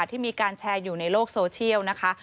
ที่มีการแชร์อยู่ในโลกโซเชียลนะคะ